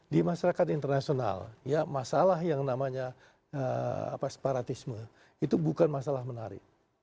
di masyarakat internasional masalah yang namanya separatisme itu bukan masalah menarik